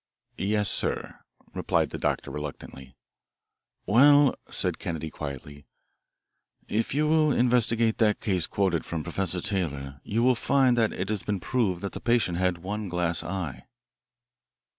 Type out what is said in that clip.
"Yes, sir," replied the doctor reluctantly. "Well," said Kennedy quietly, "if you will investigate that case quoted from Professor Taylor, you will find that it has been proved that the patient had one glass eye."